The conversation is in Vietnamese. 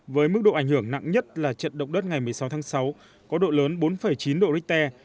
với mức độ ảnh hưởng nặng nhất là trận động đất ngày một mươi sáu tháng sáu có độ lớn bốn chín độ richter